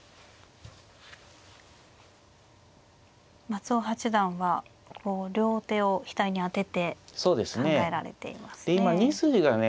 松尾八段は両手を額に当てて考えられていますね。